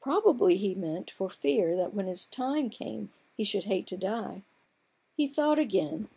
Probably he meant, for fear that when his time came he should hate to die. He thought again.